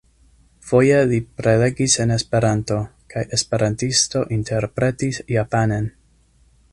Foje li prelegis en Esperanto, kaj esperantisto interpretis japanen.